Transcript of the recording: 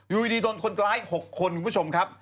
อยู่ดีโดนคนร้าย๖คนคุณผู้ชมครับ